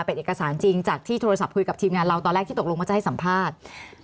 เป็นเอกสารจริงจากที่โทรศัพท์คุยกับทีมงานเราตอนแรกที่ตกลงว่าจะให้สัมภาษณ์